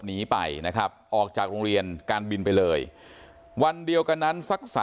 หนีไปนะครับออกจากโรงเรียนการบินไปเลยวันเดียวกันนั้นสัก